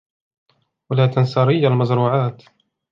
و لا تنسى ريّ المزروعات.